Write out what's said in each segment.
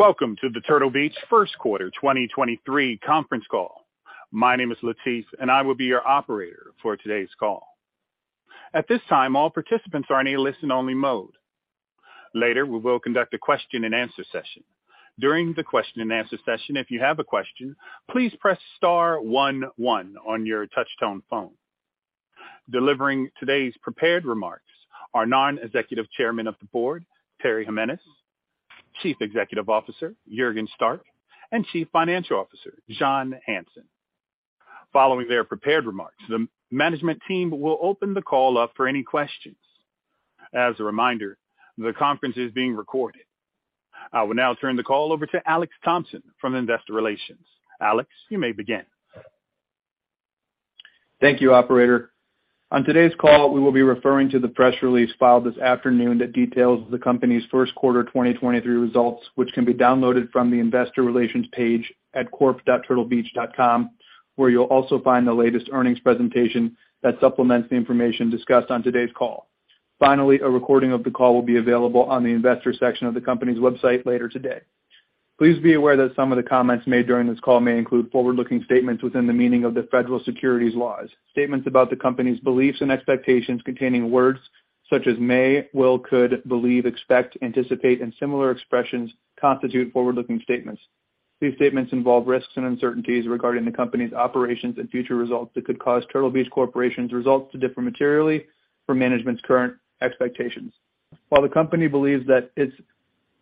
Welcome to the Turtle Beach first quarter 2023 conference call. My name is Latif, and I will be your operator for today's call. At this time, all participants are in a listen-only mode. Later, we will conduct a question-and-answer session. During the question-and-answer session, if you have a question, please press star one one on your touchtone phone. Delivering today's prepared remarks are Non-Executive Chairman of the Board, Terry Jimenez, Chief Executive Officer, Juergen Stark, and Chief Financial Officer, John Hanson. Following their prepared remarks, the management team will open the call up for any questions. As a reminder, the conference is being recorded. I will now turn the call over to Alex Thompson from Investor Relations. Alex, you may begin. Thank you, operator. On today's call, we will be referring to the press release filed this afternoon that details the company's first quarter 2023 results, which can be downloaded from the investor relations page at corp.turtlebeach.com, where you'll also find the latest earnings presentation that supplements the information discussed on today's call. A recording of the call will be available on the investor section of the company's website later today. Please be aware that some of the comments made during this call may include forward-looking statements within the meaning of the federal securities laws. Statements about the company's beliefs and expectations containing words such as may, will, could, believe, expect, anticipate, and similar expressions constitute forward-looking statements. These statements involve risks and uncertainties regarding the company's operations and future results that could cause Turtle Beach Corporation's results to differ materially from management's current expectations. While the company believes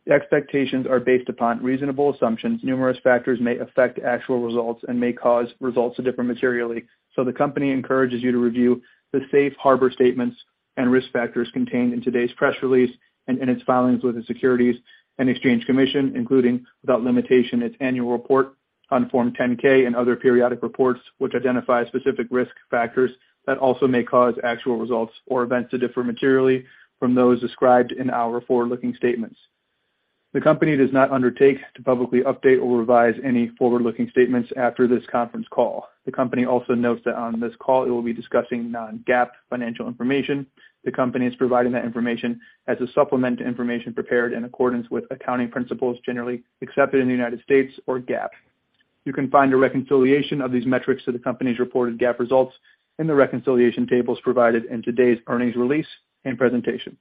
that its expectations are based upon reasonable assumptions, numerous factors may affect actual results and may cause results to differ materially, the company encourages you to review the safe harbor statements and risk factors contained in today's press release and in its filings with the Securities and Exchange Commission, including, without limitation, its annual report on Form 10-K and other periodic reports, which identify specific risk factors that also may cause actual results or events to differ materially from those described in our forward-looking statements. The company does not undertake to publicly update or revise any forward-looking statements after this conference call. The company also notes that on this call, it will be discussing non-GAAP financial information. The company is providing that information as a supplement to information prepared in accordance with accounting principles generally accepted in the United States or GAAP. You can find a reconciliation of these metrics to the company's reported GAAP results in the reconciliation tables provided in today's earnings release and presentation.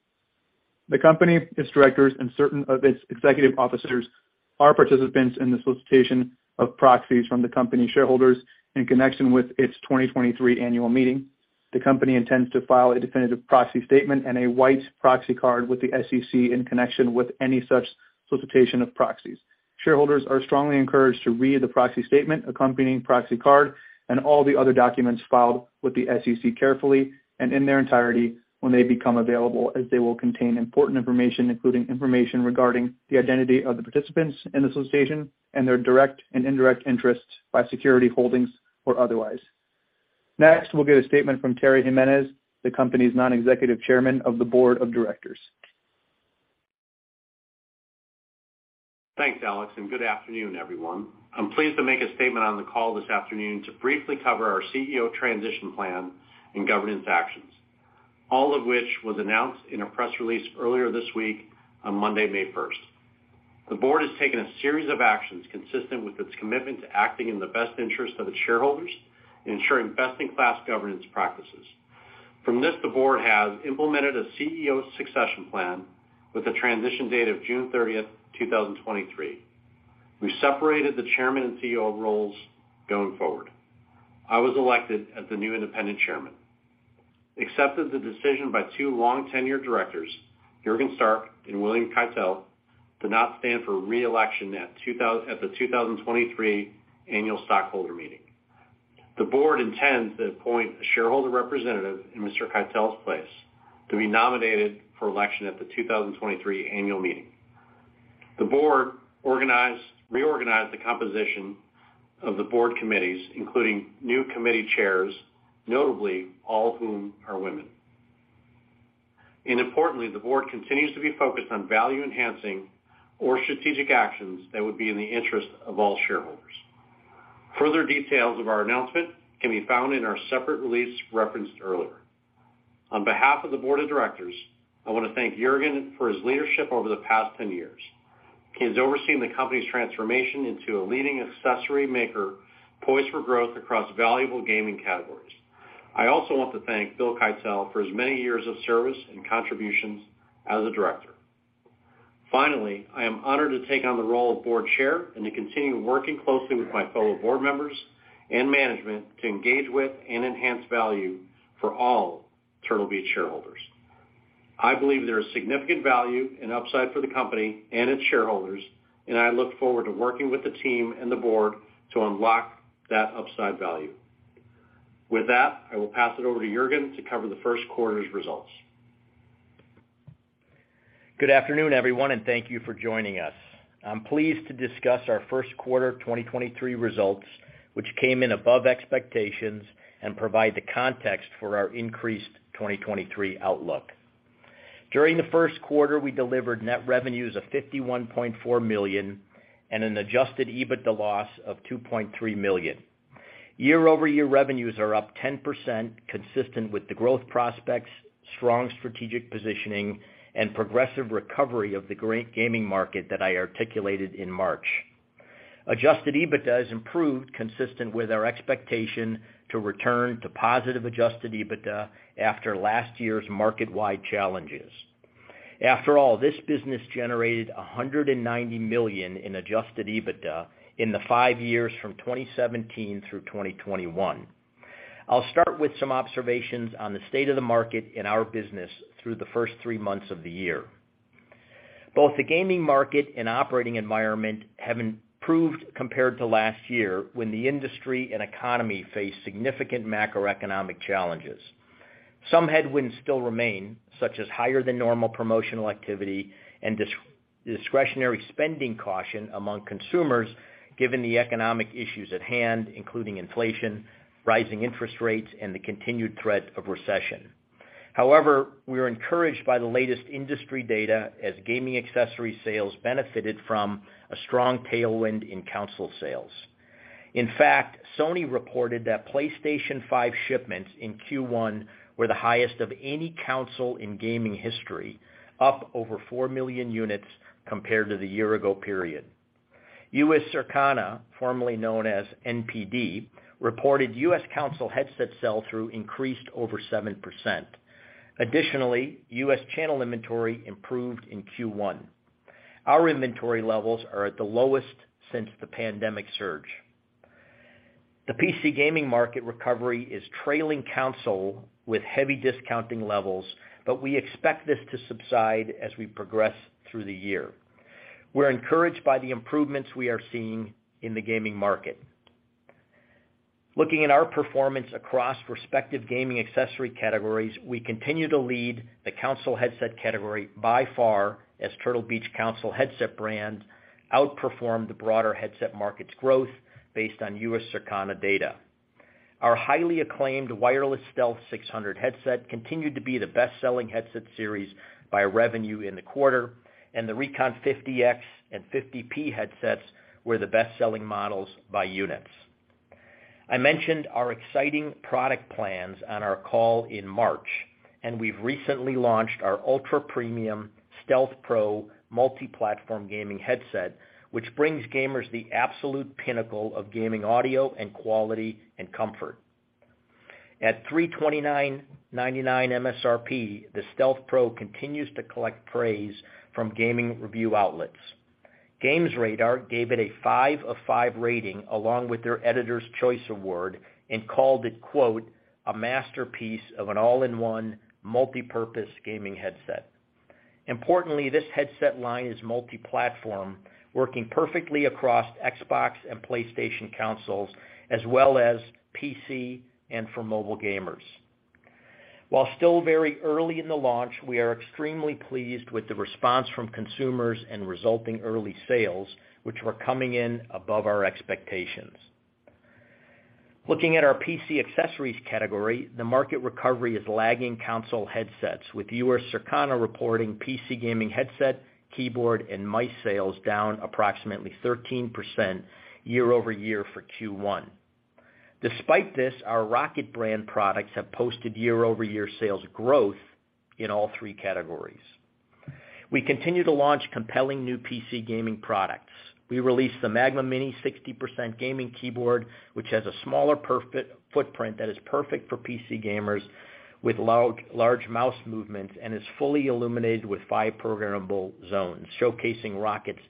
The company, its directors, and certain of its executive officers are participants in the solicitation of proxies from the company shareholders in connection with its 2023 annual meeting. The company intends to file a definitive proxy statement and a white proxy card with the SEC in connection with any such solicitation of proxies. Shareholders are strongly encouraged to read the proxy statement, accompanying proxy card, and all the other documents filed with the SEC carefully and in their entirety when they become available, as they will contain important information, including information regarding the identity of the participants in the solicitation and their direct and indirect interests by security holdings or otherwise. Next, we'll get a statement from Terry Jimenez, the company's Non-Executive Chairman of the Board of Directors. Thanks, Alex. Good afternoon, everyone. I'm pleased to make a statement on the call this afternoon to briefly cover our CEO transition plan and governance actions, all of which was announced in a press release earlier this week on Monday, May 1st. The board has taken a series of actions consistent with its commitment to acting in the best interest of its shareholders and ensuring best-in-class governance practices. The board has implemented a CEO succession plan with a transition date of June 30th, 2023. We separated the Chairman and CEO roles going forward. I was elected as the new Independent Chairman, accepted the decision by two long tenured directors, Juergen Stark and William Keitel, to not stand for re-election at the 2023 Annual Stockholder Meeting. The board intends to appoint a shareholder representative in Mr. Keitel's place to be nominated for election at the 2023 Annual Meeting. The board reorganized the composition of the board committees, including new committee chairs, notably all whom are women. Importantly, the board continues to be focused on value-enhancing or strategic actions that would be in the interest of all shareholders. Further details of our announcement can be found in our separate release referenced earlier. On behalf of the Board of Directors, I want to thank Juergen for his leadership over the past 10 years. He has overseen the company's transformation into a leading accessory maker poised for growth across valuable gaming categories. I also want to thank Bill Keitel for his many years of service and contributions as a director. Finally, I am honored to take on the role of Board Chair and to continue working closely with my fellow board members and management to engage with and enhance value for all Turtle Beach shareholders. I believe there is significant value and upside for the company and its shareholders, and I look forward to working with the team and the board to unlock that upside value. With that, I will pass it over to Juergen to cover the first quarter's results. Good afternoon, everyone, and thank you for joining us. I'm pleased to discuss our first quarter 2023 results, which came in above expectations, and provide the context for our increased 2023 outlook. During the first quarter, we delivered net revenues of $51.4 million and an adjusted EBITDA loss of $2.3 million. Year-over-year revenues are up 10%, consistent with the growth prospects, strong strategic positioning, and progressive recovery of the great gaming market that I articulated in March. Adjusted EBITDA has improved consistent with our expectation to return to positive adjusted EBITDA after last year's market-wide challenges. After all, this business generated $190 million in adjusted EBITDA in the five years from 2017 through 2021. I'll start with some observations on the state of the market and our business through the first three months of the year. Both the gaming market and operating environment have improved compared to last year, when the industry and economy faced significant macroeconomic challenges. Some headwinds still remain, such as higher than normal promotional activity and discretionary spending caution among consumers given the economic issues at hand, including inflation, rising interest rates, and the continued threat of recession. We are encouraged by the latest industry data as gaming accessory sales benefited from a strong tailwind in console sales. In fact, Sony reported that PlayStation 5 shipments in Q1 were the highest of any console in gaming history, up over 4 million units compared to the year-ago period. U.S. Circana, formerly known as NPD, reported U.S. console headset sell-through increased over 7%. Additionally, U.S. channel inventory improved in Q1. Our inventory levels are at the lowest since the pandemic surge. The PC gaming market recovery is trailing console with heavy discounting levels, but we expect this to subside as we progress through the year. We're encouraged by the improvements we are seeing in the gaming market. Looking at our performance across respective gaming accessory categories, we continue to lead the console headset category by far as Turtle Beach console headset brand outperformed the broader headset market's growth based on U.S. Circana data. Our highly acclaimed wireless Stealth 600 headset continued to be the best-selling headset series by revenue in the quarter, and the Recon 50X and 50P headsets were the best-selling models by units. I mentioned our exciting product plans on our call in March, and we've recently launched our ultra-premium Stealth Pro multi-platform gaming headset, which brings gamers the absolute pinnacle of gaming audio and quality and comfort. At $329.99 MSRP, the Stealth Pro continues to collect praise from gaming review outlets. GamesRadar gave it a 5 of 5 rating along with their Editor's Choice Award and called it, quote, "A masterpiece of an all-in-one multipurpose gaming headset." Importantly, this headset line is multi-platform, working perfectly across Xbox and PlayStation consoles as well as PC and for mobile gamers. While still very early in the launch, we are extremely pleased with the response from consumers and resulting early sales, which were coming in above our expectations. Looking at our PC accessories category, the market recovery is lagging console headsets, with U.S. Circana reporting PC gaming headset, keyboard, and mice sales down approximately 13% year-over-year for Q1. Despite this, our ROCCAT brand products have posted year-over-year sales growth in all three categories. We continue to launch compelling new PC gaming products. We released the Magma Mini 60% gaming keyboard, which has a smaller footprint that is perfect for PC gamers with large mouse movements and is fully illuminated with five programmable zones, showcasing ROCCAT's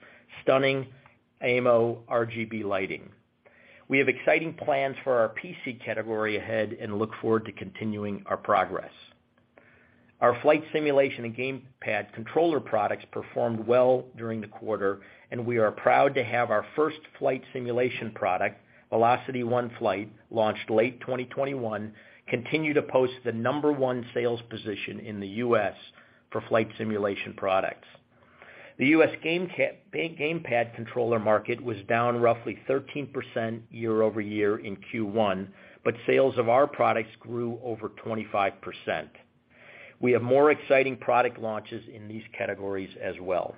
stunning AIMO RGB lighting. We have exciting plans for our PC category ahead and look forward to continuing our progress. Our flight simulation and gamepad controller products performed well during the quarter, and we are proud to have our first flight simulation product, VelocityOne Flight, launched late 2021, continue to post the number one sales position in the U.S. for flight simulation products. The U.S. gamepad controller market was down roughly 13% year-over-year in Q1. Sales of our products grew over 25%. We have more exciting product launches in these categories as well.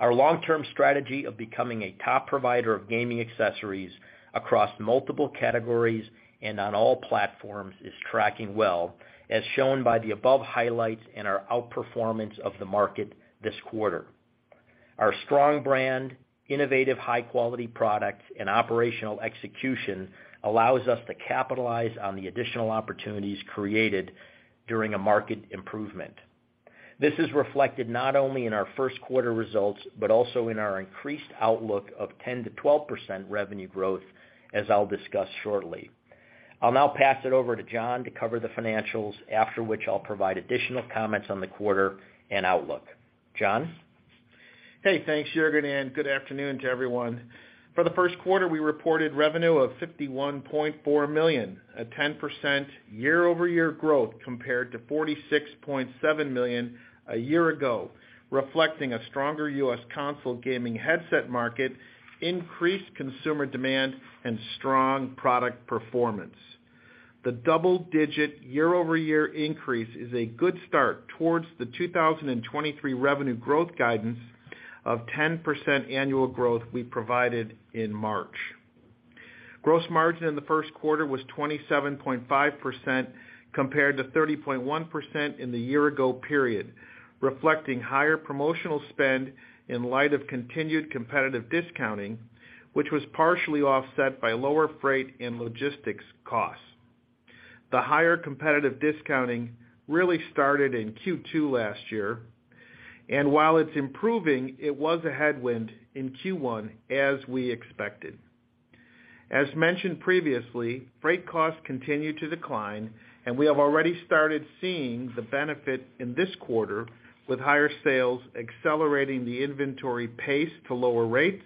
Our long-term strategy of becoming a top provider of gaming accessories across multiple categories and on all platforms is tracking well, as shown by the above highlights and our outperformance of the market this quarter. Our strong brand, innovative, high-quality products, and operational execution allows us to capitalize on the additional opportunities created during a market improvement. This is reflected not only in our first quarter results, but also in our increased outlook of 10%-12% revenue growth, as I'll discuss shortly. I'll now pass it over to John to cover the financials, after which I'll provide additional comments on the quarter and outlook. John? Hey, thanks, Juergen. Good afternoon to everyone. For the first quarter, we reported revenue of $51.4 million, a 10% year-over-year growth compared to $46.7 million a year ago, reflecting a stronger U.S. console gaming headset market, increased consumer demand, and strong product performance. The double-digit year-over-year increase is a good start towards the 2023 revenue growth guidance of 10% annual growth we provided in March. Gross margin in the first quarter was 27.5% compared to 30.1% in the year ago period, reflecting higher promotional spend in light of continued competitive discounting, which was partially offset by lower freight and logistics costs. The higher competitive discounting really started in Q2 last year, and while it's improving, it was a headwind in Q1, as we expected. As mentioned previously, freight costs continue to decline. We have already started seeing the benefit in this quarter with higher sales accelerating the inventory pace to lower rates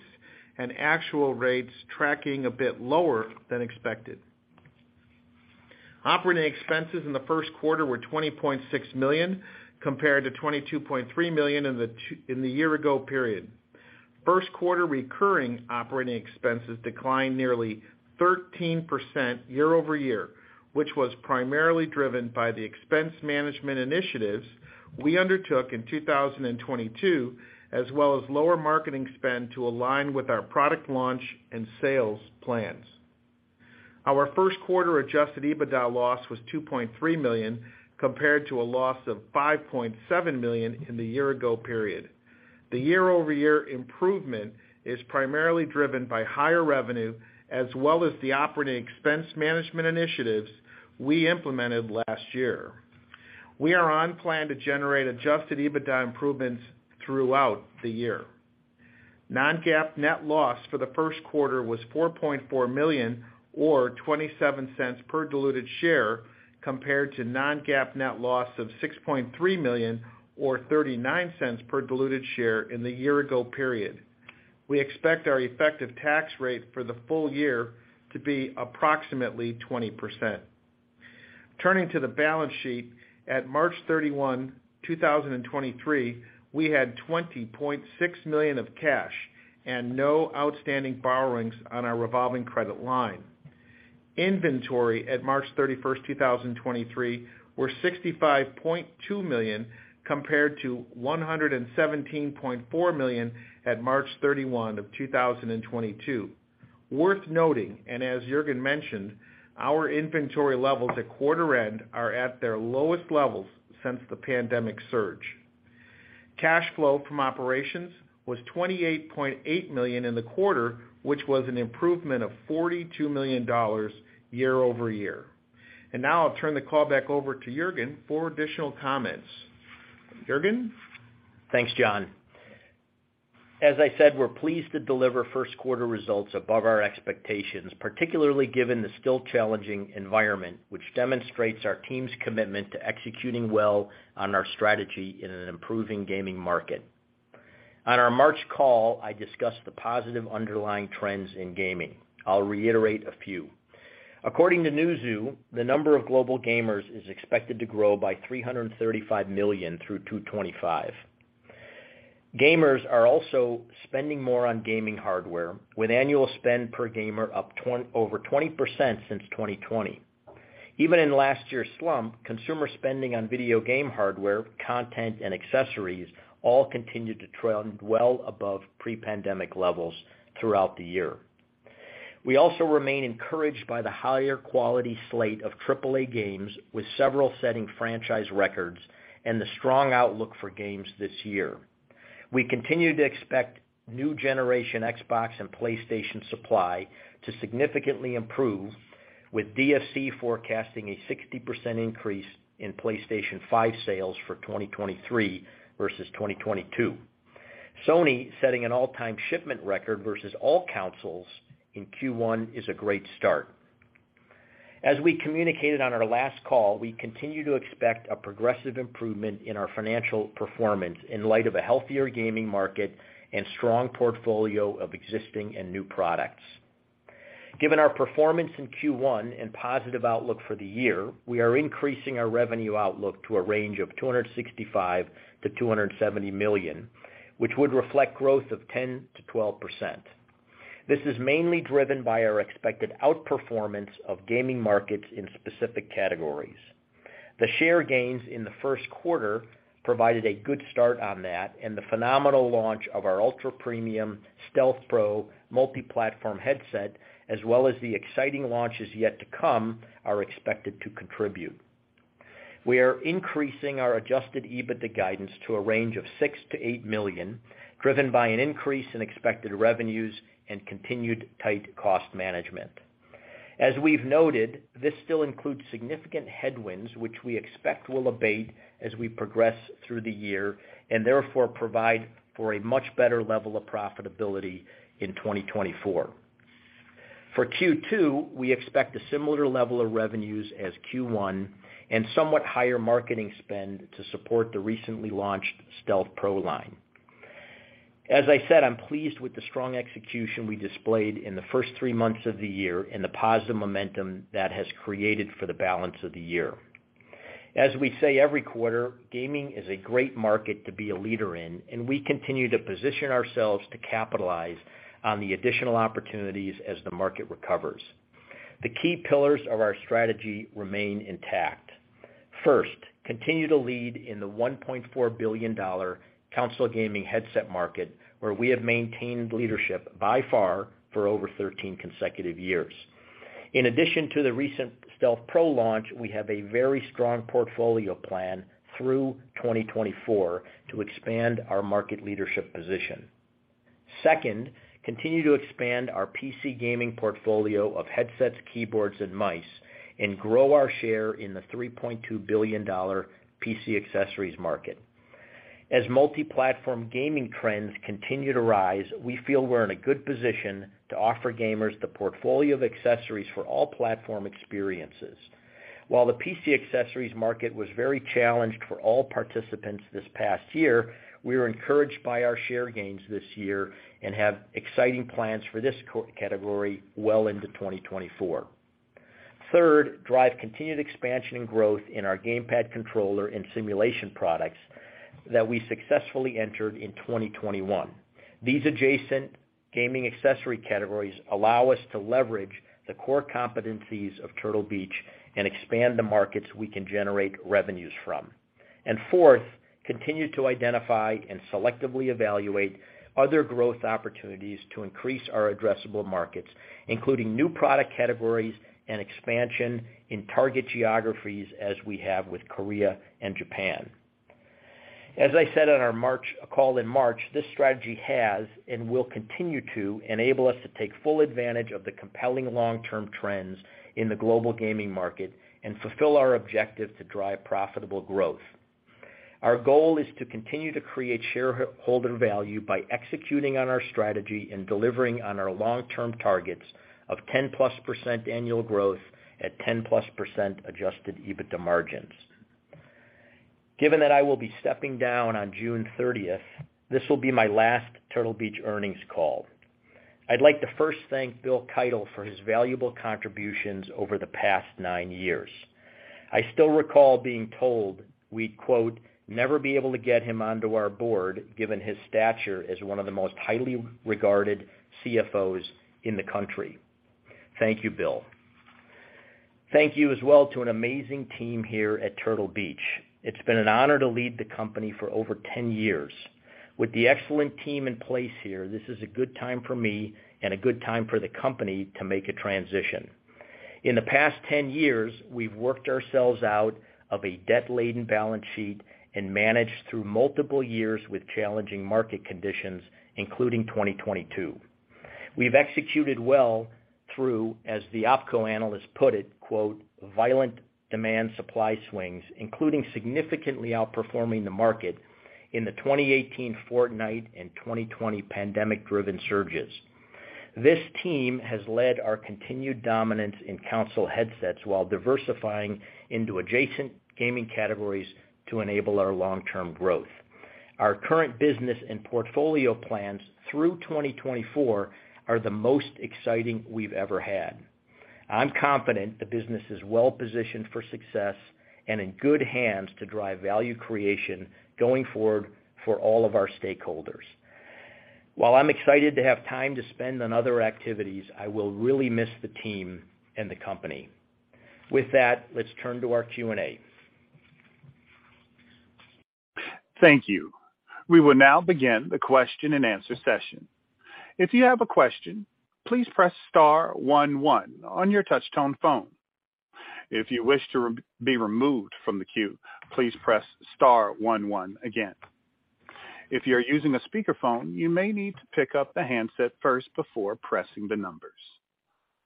and actual rates tracking a bit lower than expected. Operating expenses in the first quarter were $20.6 million compared to $22.3 million in the year-ago period. First quarter recurring operating expenses declined nearly 13% year-over-year, which was primarily driven by the expense management initiatives we undertook in 2022, as well as lower marketing spend to align with our product launch and sales plans. Our first quarter adjusted EBITDA loss was $2.3 million compared to a loss of $5.7 million in the year-ago period. The year-over-year improvement is primarily driven by higher revenue as well as the operating expense management initiatives we implemented last year. We are on plan to generate adjusted EBITDA improvements throughout the year. Non-GAAP net loss for the first quarter was $4.4 million, or $0.27 per diluted share, compared to non-GAAP net loss of $6.3 million or $0.39 per diluted share in the year ago period. We expect our effective tax rate for the full year to be approximately 20%. Turning to the balance sheet, at March 31, 2023, we had $20.6 million of cash and no outstanding borrowings on our revolving credit line. Inventory at March 31, 2023 were $65.2 million compared to $117.4 million at March 31, 2022. Worth noting, and as Juergen mentioned, our inventory levels at quarter end are at their lowest levels since the pandemic surge. Cash flow from operations was $28.8 million in the quarter, which was an improvement of $42 million year-over-year. Now I'll turn the call back over to Juergen for additional comments. Juergen. Thanks, John. As I said, we're pleased to deliver first quarter results above our expectations, particularly given the still challenging environment, which demonstrates our team's commitment to executing well on our strategy in an improving gaming market. On our March call, I discussed the positive underlying trends in gaming. I'll reiterate a few. According to Newzoo, the number of global gamers is expected to grow by 335 million through 2025. Gamers are also spending more on gaming hardware, with annual spend per gamer up over 20% since 2020. Even in last year's slump, consumer spending on video game hardware, content, and accessories all continued to trend well above pre-pandemic levels throughout the year. We also remain encouraged by the higher quality slate of AAA games, with several setting franchise records and the strong outlook for games this year. We continue to expect new generation Xbox and PlayStation supply to significantly improve, with DFC forecasting a 60% increase in PlayStation 5 sales for 2023 versus 2022. Sony setting an all-time shipment record versus all consoles in Q1 is a great start. As we communicated on our last call, we continue to expect a progressive improvement in our financial performance in light of a healthier gaming market and strong portfolio of existing and new products. Given our performance in Q1 and positive outlook for the year, we are increasing our revenue outlook to a range of $265 million-$270 million, which would reflect growth of 10%-12%. This is mainly driven by our expected outperformance of gaming markets in specific categories. The share gains in the first quarter provided a good start on that, and the phenomenal launch of our ultra-premium Stealth Pro multiplatform headset, as well as the exciting launches yet to come, are expected to contribute. We are increasing our adjusted EBITDA guidance to a range of $6 million-$8 million, driven by an increase in expected revenues and continued tight cost management. As we've noted, this still includes significant headwinds, which we expect will abate as we progress through the year and therefore provide for a much better level of profitability in 2024. For Q2, we expect a similar level of revenues as Q1 and somewhat higher marketing spend to support the recently launched Stealth Pro line. As I said, I'm pleased with the strong execution we displayed in the first three months of the year and the positive momentum that has created for the balance of the year. As we say every quarter, gaming is a great market to be a leader in, and we continue to position ourselves to capitalize on the additional opportunities as the market recovers. The key pillars of our strategy remain intact. First, continue to lead in the $1.4 billion console gaming headset market, where we have maintained leadership by far for over 13 consecutive years. In addition to the recent Stealth Pro launch, we have a very strong portfolio plan through 2024 to expand our market leadership position. Second, continue to expand our PC gaming portfolio of headsets, keyboards and mice, and grow our share in the $3.2 billion PC accessories market. As multi-platform gaming trends continue to rise, we feel we're in a good position to offer gamers the portfolio of accessories for all platform experiences. While the PC accessories market was very challenged for all participants this past year, we are encouraged by our share gains this year and have exciting plans for this category well into 2024. Third, drive continued expansion and growth in our gamepad controller and simulation products that we successfully entered in 2021. These adjacent gaming accessory categories allow us to leverage the core competencies of Turtle Beach and expand the markets we can generate revenues from. Fourth, continue to identify and selectively evaluate other growth opportunities to increase our addressable markets, including new product categories and expansion in target geographies as we have with Korea and Japan. As I said on our call in March, this strategy has and will continue to enable us to take full advantage of the compelling long-term trends in the global gaming market and fulfill our objective to drive profitable growth. Our goal is to continue to create shareholder value by executing on our strategy and delivering on our long-term targets of 10%+ annual growth at 10%+ adjusted EBITDA margins. Given that I will be stepping down on June 30th, this will be my last Turtle Beach earnings call. I'd like to first thank Bill Keitel for his valuable contributions over the past nine years. I still recall being told we'd, quote, "Never be able to get him onto our board," given his stature as one of the most highly regarded CFOs in the country. Thank you, Bill. Thank you as well to an amazing team here at Turtle Beach. It's been an honor to lead the company for over 10 years. With the excellent team in place here, this is a good time for me and a good time for the company to make a transition. In the past 10 years, we've worked ourselves out of a debt-laden balance sheet and managed through multiple years with challenging market conditions, including 2022. We've executed well through, as the OpCo analyst put it, quote, "Violent demand supply swings," including significantly outperforming the market in the 2018 Fortnite and 2020 pandemic-driven surges. This team has led our continued dominance in console headsets while diversifying into adjacent gaming categories to enable our long-term growth. Our current business and portfolio plans through 2024 are the most exciting we've ever had. I'm confident the business is well-positioned for success and in good hands to drive value creation going forward for all of our stakeholders. While I'm excited to have time to spend on other activities, I will really miss the team and the company. With that, let's turn to our Q&A. Thank you. We will now begin the question-and-answer session. If you have a question, please press star one one on your touch-tone phone. If you wish to be removed from the queue, please press star one one again. If you're using a speakerphone, you may need to pick up the handset first before pressing the numbers.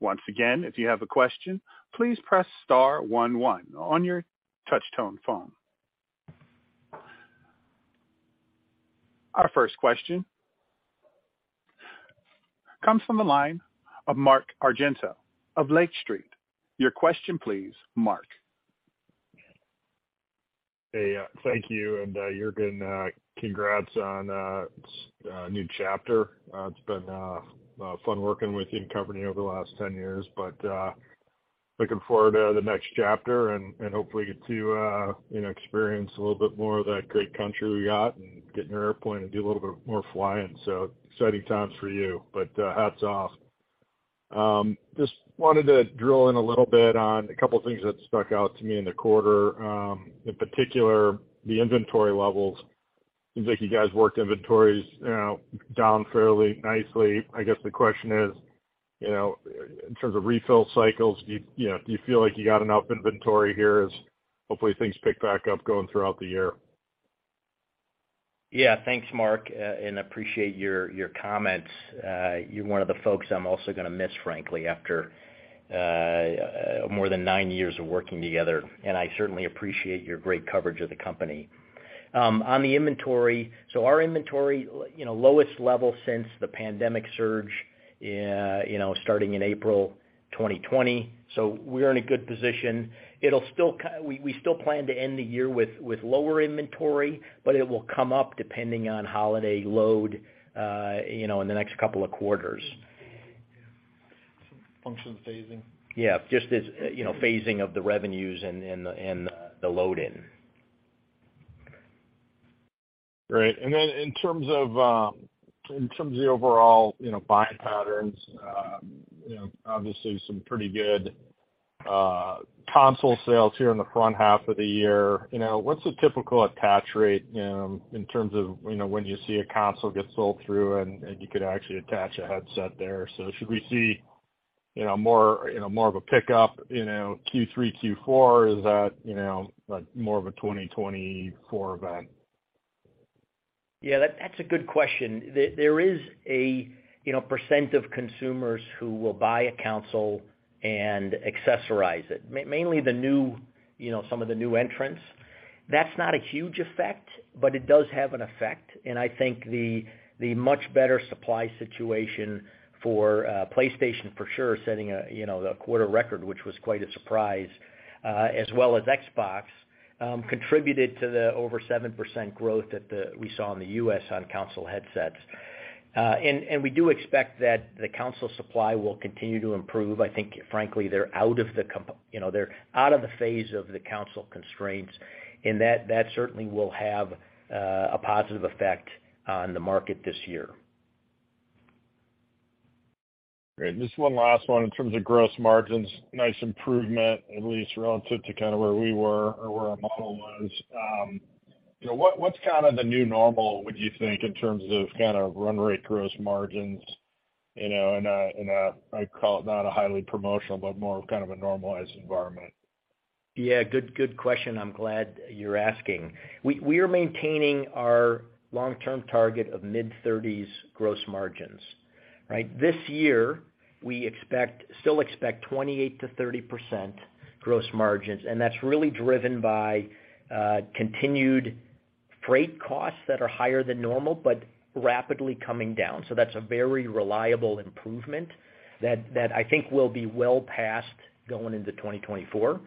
Once again, if you have a question, please press star one one on your touch-tone phone. Our first question comes from the line of Mark Argento of Lake Street. Your question, please, Mark. Hey, thank you. Juergen, congrats on a new chapter. It's been fun working with you and the company over the last 10 years, but looking forward to the next chapter and hopefully get to, you know, experience a little bit more of that great country we got and get in your airplane and do a little bit more flying. Exciting times for you. Hats off. Just wanted to drill in a little bit on a couple things that stuck out to me in the quarter, in particular, the inventory levels. Seems like you guys worked inventories, you know, down fairly nicely. I guess the question is, you know, in terms of refill cycles, do you know, do you feel like you got enough inventory here as hopefully things pick back up going throughout the year? Yeah. Thanks, Mark, I appreciate your comments. You're one of the folks I'm also gonna miss, frankly, after more than nine years of working together. I certainly appreciate your great coverage of the company. On the inventory, our inventory, you know, lowest level since the pandemic surge, you know, starting in April 2020. We're in a good position. It'll still, we still plan to end the year with lower inventory, it will come up depending on holiday load, you know, in the next couple of quarters. Function phasing? Yeah, just as, you know, phasing of the revenues and the, and the load in. Great. Then in terms of, in terms of the overall, you know, buying patterns, you know, obviously some pretty good console sales here in the front half of the year. You know, what's the typical attach rate, in terms of, you know, when you see a console get sold through and you could actually attach a headset there? Should we see, you know, more, you know, more of a pickup, you know, Q3, Q4? Is that, you know, like more of a 2024 event? Yeah, that's a good question. There is a, you know, percent of consumers who will buy a console and accessorize it. Mainly the new, you know, some of the new entrants. That's not a huge effect, but it does have an effect. I think the much better supply situation for PlayStation for sure, setting a, you know, a quarter record, which was quite a surprise, as well as Xbox, contributed to the over 7% growth that we saw in the U.S. on console headsets. We do expect that the console supply will continue to improve. I think frankly, they're out of the, you know, they're out of the phase of the console constraints, that certainly will have a positive effect on the market this year. Great. Just one last one. In terms of gross margins, nice improvement, at least relative to kind of where we were or where our model was. You know, what's kind of the new normal, would you think, in terms of kind of run rate gross margins, you know, in a, in a, I'd call it not a highly promotional, but more of kind of a normalized environment? Yeah, good question. I'm glad you're asking. We are maintaining our long-term target of mid-30s gross margins, right? This year, we still expect 28%-30% gross margins, that's really driven by continued freight costs that are higher than normal but rapidly coming down. That's a very reliable improvement that I think will be well passed going into 2024.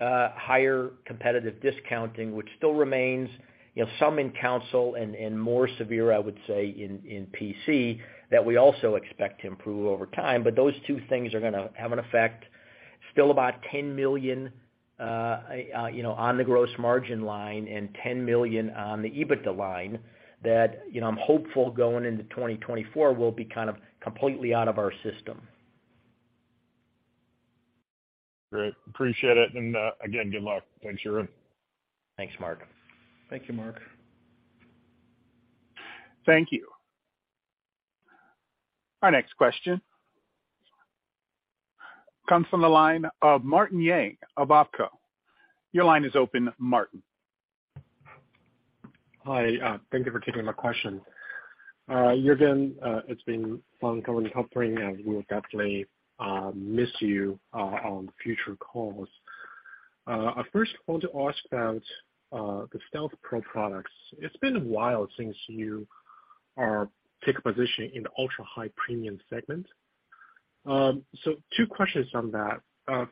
Higher competitive discounting, which still remains, you know, some in console and more severe, I would say, in PC, that we also expect to improve over time. Those two things are gonna have an effect, still about $10 million, you know, on the gross margin line and $10 million on the EBITDA line that, you know, I'm hopeful going into 2024 will be kind of completely out of our system. Great. Appreciate it. Again, good luck. Thanks, Juergen. Thanks, Mark. Thank you, Mark. Thank you. Our next question comes from the line of Martin Yang of OpCo. Your line is open, Martin. Hi. Thank you for taking my question. Juergen, it's been fun covering the company, and we will definitely miss you on future calls. I first want to ask about the Stealth Pro products. It's been a while since you took a position in the ultra-high premium segment. So two questions on that.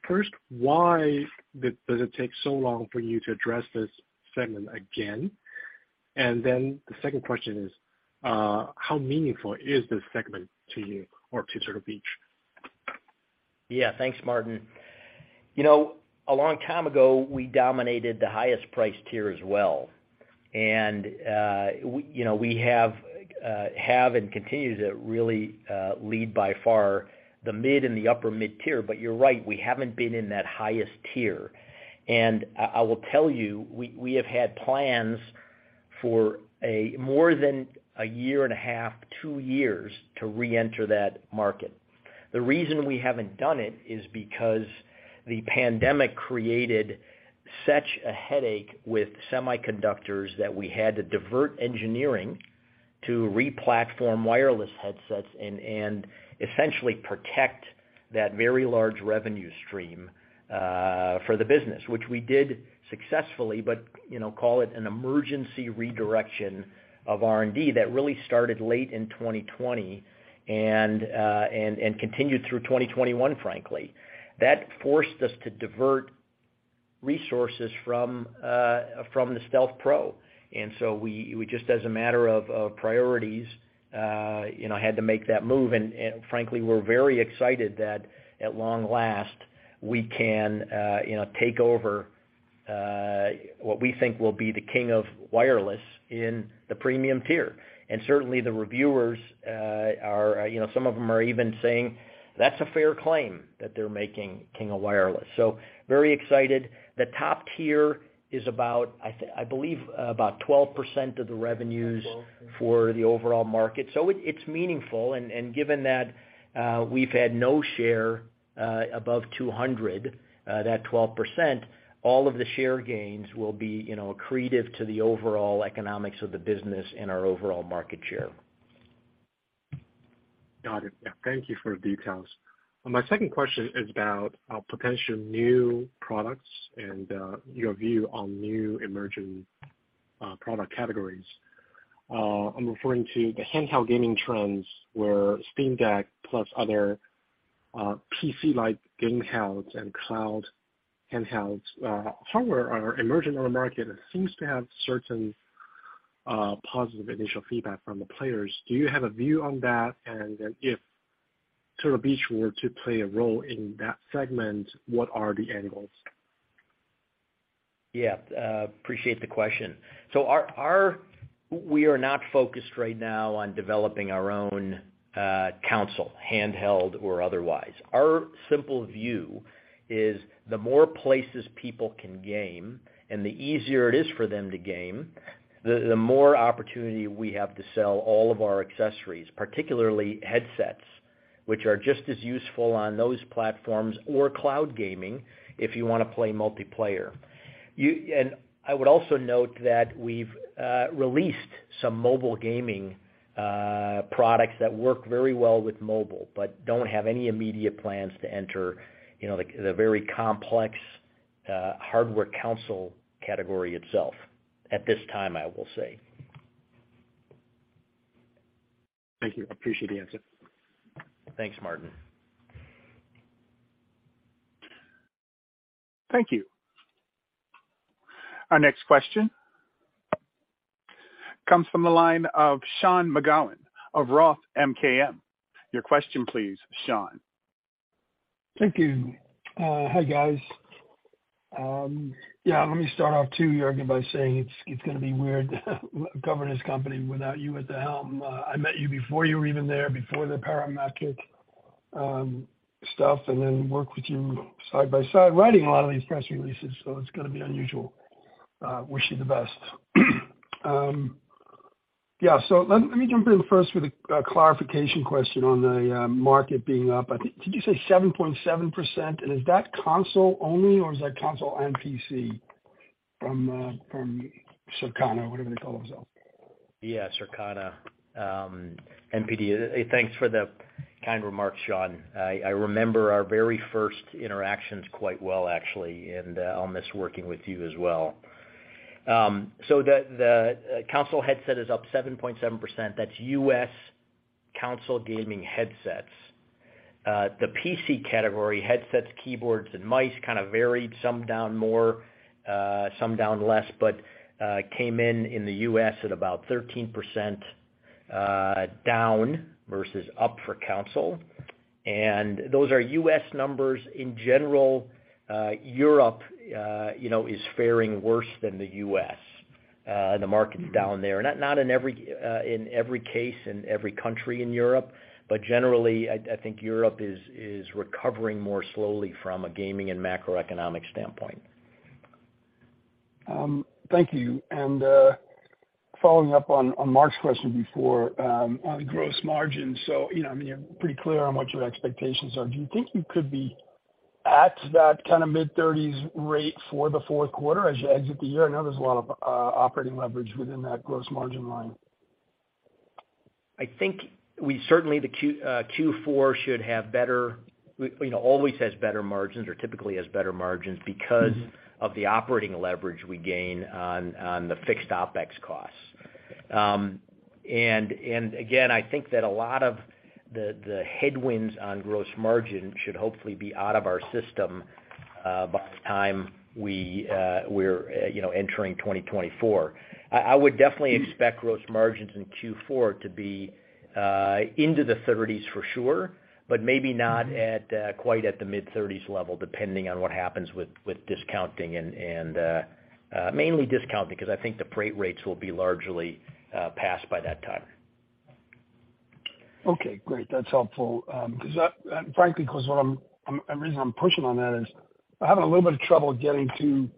First, why did it take so long for you to address this segment again? The second question is, how meaningful is this segment to you or to Turtle Beach? Yeah. Thanks, Martin. You know, a long time ago, we dominated the highest price tier as well. We, you know, we have have and continue to really lead by far the mid and the upper mid tier. You're right, we haven't been in that highest tier. I will tell you, we have had plans for a more than a year and a half, two years to reenter that market. The reason we haven't done it is because the pandemic created such a headache with semiconductors that we had to divert engineering to re-platform wireless headsets and essentially protect that very large revenue stream for the business, which we did successfully, but, you know, call it an emergency redirection of R&D that really started late in 2020 and continued through 2021, frankly. That forced us to divert resources from the Stealth Pro. We just as a matter of priorities, you know, had to make that move. Frankly, we're very excited that at long last, we can, you know, take over what we think will be the king of wireless in the premium tier. Certainly, the reviewers are, you know, some of them are even saying that's a fair claim that they're making king of wireless. Very excited. The top tier is about, I believe about 12% of the revenues for the overall market, so it's meaningful. Given that, we've had no share, above 200, that 12%, all of the share gains will be, you know, accretive to the overall economics of the business and our overall market share. Got it. Yeah. Thank you for the details. My second question is about potential new products and your view on new emerging product categories. I'm referring to the handheld gaming trends where Steam Deck plus other PC-like game handhelds and cloud handhelds hardware are emerging on the market and seems to have certain positive initial feedback from the players. Do you have a view on that? If Turtle Beach were to play a role in that segment, what are the angles? Yeah. Appreciate the question. We are not focused right now on developing our own console, handheld or otherwise. Our simple view is the more places people can game and the easier it is for them to game, the more opportunity we have to sell all of our accessories, particularly headsets, which are just as useful on those platforms or cloud gaming if you wanna play multiplayer. I would also note that we've released some mobile gaming products that work very well with mobile, but don't have any immediate plans to enter, you know, the very complex hardware console category itself at this time, I will say. Thank you. Appreciate the answer. Thanks, Martin. Thank you. Our next question comes from the line of Sean McGowan of ROTH MKM. Your question please, Sean. Thank you. Hi, guys. Yeah, let me start off too, Juergen, by saying it's gonna be weird covering this company without you at the helm. I met you before you were even there, before the Parametric stuff, and then worked with you side by side writing a lot of these press releases, so it's gonna be unusual. Wish you the best. Yeah. Let me jump in first with a clarification question on the market being up. I think. Did you say 7.7%? Is that console only, or is that console and PC from Circana or whatever they call themselves? Yeah, Circana, NPD. Hey, thanks for the kind remarks, Sean. I remember our very first interactions quite well, actually. I'll miss working with you as well. The console headset is up 7.7%. That's U.S. console gaming headsets. The PC category, headsets, keyboards, and mice kinda varied, some down more, some down less, came in in the U.S. at about 13%, down versus up for console. Those are U.S. numbers. In general, Europe, you know, is faring worse than the U.S., the market's down there. Not, in every, in every case in every country in Europe, but generally, I think Europe is recovering more slowly from a gaming and macroeconomic standpoint. Thank you. Following up on Mark's question before, on gross margins. You know, I mean, you're pretty clear on what your expectations are. Do you think you could be at that kind of mid-30s percent rate for the fourth quarter as you exit the year? I know there's a lot of operating leverage within that gross margin line. I think we certainly the Q4 should have better, we, you know, always has better margins or typically has better margins because of the operating leverage we gain on the fixed OpEx costs. Again, I think that a lot of the headwinds on gross margin should hopefully be out of our system by the time we're, you know, entering 2024. I would definitely expect gross margins in Q4 to be into the 30s for sure, but maybe not at quite at the mid-30s level, depending on what happens with discounting and mainly discounting, 'cause I think the freight rates will be largely passed by that time. Okay. Great. That's helpful. Frankly, a reason I'm pushing on that is I'm having a little bit of trouble getting to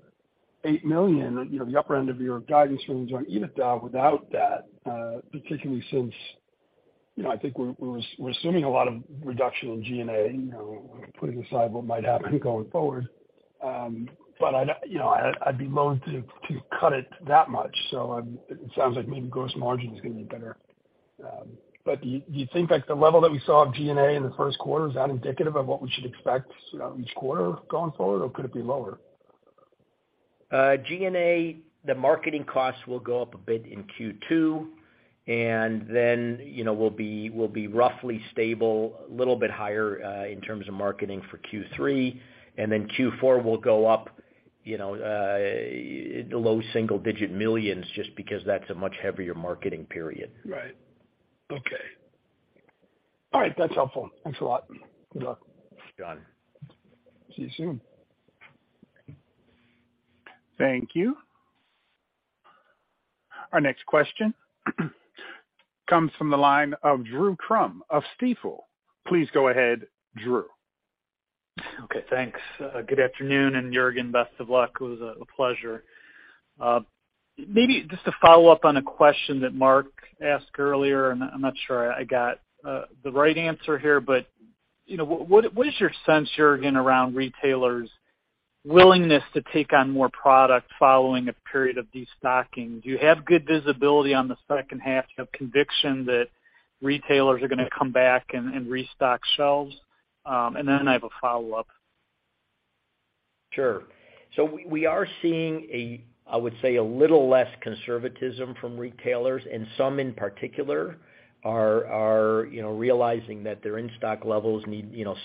$8 million, you know, the upper end of your guidance range on EBITDA without that, particularly since, you know, I think we're assuming a lot of reduction in G&A, you know, putting aside what might happen going forward. I'd, you know, I'd be loathe to cut it that much, so it sounds like maybe gross margin's gonna be better. Do you think that the level that we saw of G&A in the first quarter, is that indicative of what we should expect, you know, each quarter going forward, or could it be lower? G&A, the marketing costs will go up a bit in Q2, and then, you know, we'll be roughly stable, a little bit higher, in terms of marketing for Q3, and then Q4 will go up, you know, low single-digit millions just because that's a much heavier marketing period. Right. Okay. All right. That's helpful. Thanks a lot. Good luck. Thanks, Sean. See you soon. Thank you. Our next question comes from the line of Drew Crum of Stifel. Please go ahead, Drew. Okay. Thanks. Good afternoon. Juergen, best of luck. It was a pleasure. Maybe just to follow up on a question that Mark asked earlier, I'm not sure I got the right answer here, but, you know, what is your sense, Juergen, around retailers' willingness to take on more product following a period of destocking? Do you have good visibility on the second half? Do you have conviction that retailers are gonna come back and restock shelves? I have a follow-up. Sure. We are seeing a, I would say, a little less conservatism from retailers, and some in particular are, you know, realizing that their in-stock levels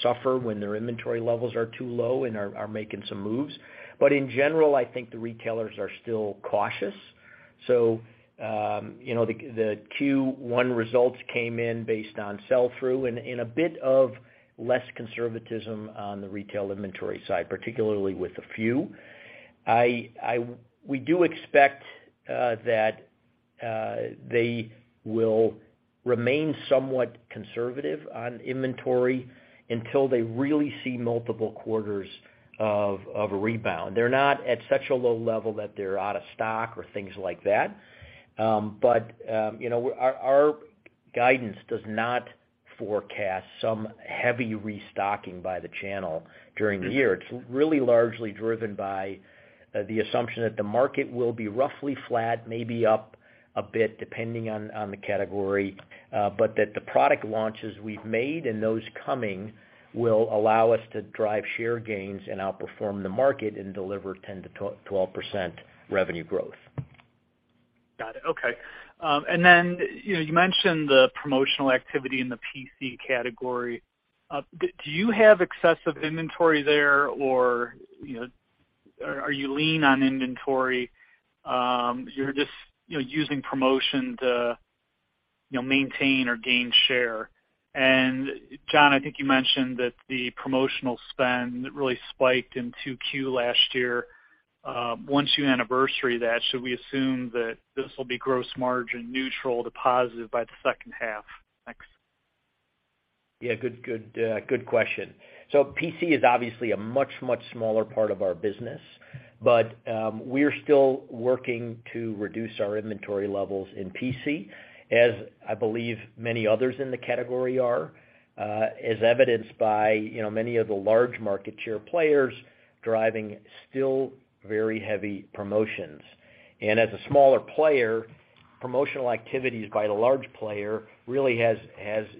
suffer when their inventory levels are too low and are making some moves. In general, I think the retailers are still cautious. You know, the Q1 results came in based on sell-through and a bit of less conservatism on the retail inventory side, particularly with a few. We do expect that they will remain somewhat conservative on inventory until they really see multiple quarters of a rebound. They're not at such a low level that they're out of stock or things like that. You know, our guidance does not forecast some heavy restocking by the channel during the year. It's really largely driven by the assumption that the market will be roughly flat, maybe up a bit depending on the category, but that the product launches we've made and those coming will allow us to drive share gains and outperform the market and deliver 10%-12% revenue growth. Got it. Okay. You know, you mentioned the promotional activity in the PC category. Do you have excessive inventory there, or, you know, are you lean on inventory? You're just, you know, using promotion to, you know, maintain or gain share. John, I think you mentioned that the promotional spend really spiked in 2Q last year. Once you anniversary that, should we assume that this will be gross margin neutral to positive by the second half? Thanks. Yeah. Good question. PC is obviously a much, much smaller part of our business, but we're still working to reduce our inventory levels in PC, as I believe many others in the category are, as evidenced by, you know, many of the large market share players driving still very heavy promotions. As a smaller player, promotional activities by the large player really has,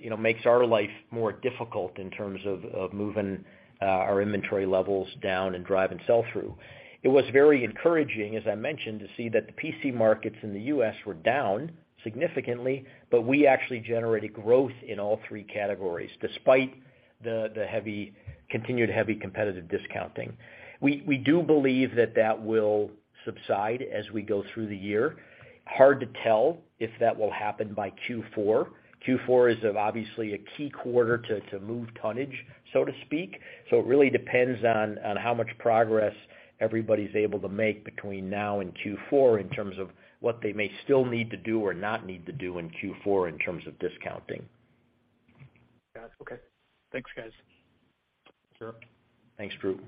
you know, makes our life more difficult in terms of moving our inventory levels down and driving sell-through. It was very encouraging, as I mentioned, to see that the PC markets in the U.S. were down significantly, but we actually generated growth in all three categories despite continued heavy competitive discounting. We do believe that that will subside as we go through the year. Hard to tell if that will happen by Q4. Q4 is, obviously, a key quarter to move tonnage, so to speak. It really depends on how much progress everybody's able to make between now and Q4 in terms of what they may still need to do or not need to do in Q4 in terms of discounting. Yeah. Okay. Thanks, guys. Sure. Thanks, Drew.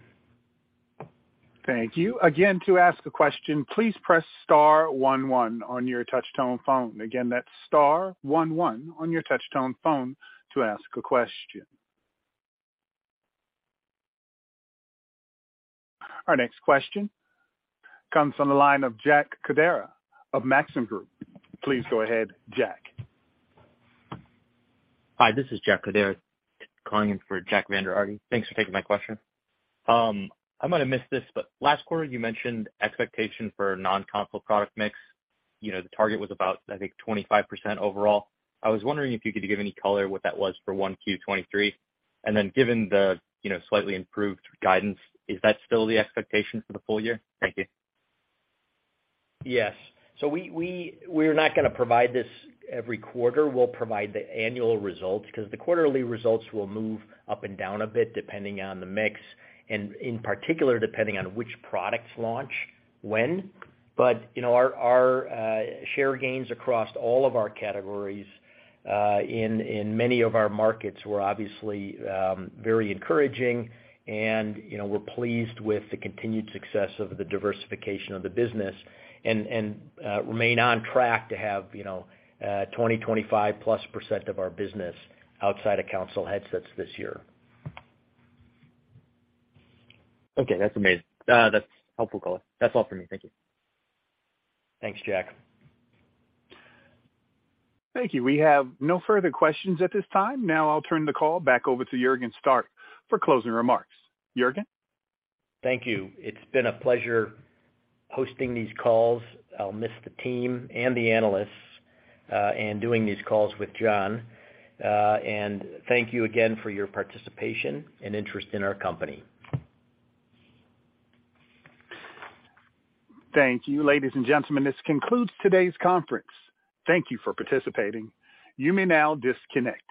Thank you. Again, to ask a question, please press star one one on your touch-tone phone. Again, that's star one one on your touch-tone phone to ask a question. Our next question comes from the line of Jack Codera of Maxim Group. Please go ahead, Jack. Hi, this is Jack Codera calling in for Jack Vander Aarde. Thanks for taking my question. I might have missed this, but last quarter you mentioned expectation for non-console product mix. You know, the target was about, I think, 25% overall. I was wondering if you could give any color what that was for 1Q 2023. Given the, you know, slightly improved guidance, is that still the expectation for the full year? Thank you. We're not gonna provide this every quarter. We'll provide the annual results 'cause the quarterly results will move up and down a bit depending on the mix and in particular, depending on which products launch when. You know, our share gains across all of our categories in many of our markets were obviously very encouraging and, you know, we're pleased with the continued success of the diversification of the business and remain on track to have, you know, 20%, 25%+ of our business outside of console headsets this year. Okay. That's amazing. That's helpful color. That's all for me. Thank you. Thanks, Jack. Thank you. We have no further questions at this time. Now I'll turn the call back over to Juergen Stark for closing remarks. Juergen? Thank you. It's been a pleasure hosting these calls. I'll miss the team and the analysts, doing these calls with John. Thank you again for your participation and interest in our company. Thank you. Ladies and gentlemen, this concludes today's conference. Thank you for participating. You may now disconnect.